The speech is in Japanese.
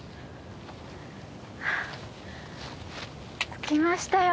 着きましたよ。